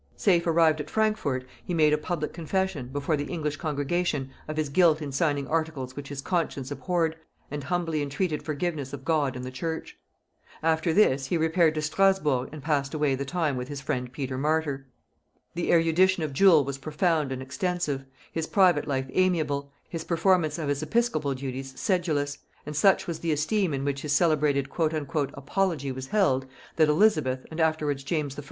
Safe arrived at Frankfort, he made a public confession, before the English congregation, of his guilt in signing articles which his conscience abhorred, and humbly entreated forgiveness of God and the church. After this, he repaired to Strasburgh and passed away the time with his friend Peter Martyr. The erudition of Jewel was profound and extensive, his private life amiable, his performance of his episcopal duties sedulous; and such was the esteem in which his celebrated "Apology" was held, that Elizabeth, and afterwards James I.